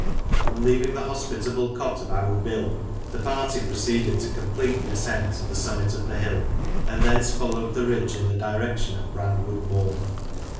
On leaving the hospitable cot of " Owd Bill," the party proceeded to complete the ascent to the summit of the hill, and thence followed the ridge in the direction of Brandwood Moor.